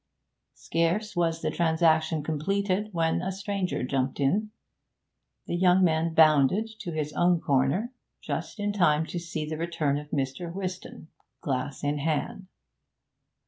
Scarce was the transaction completed when a stranger jumped in. The young man bounded to his own corner, just in time to see the return of Mr. Whiston, glass in hand.